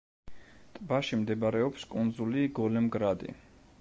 ტბაში მდებარეობს კუნძული გოლემ-გრადი.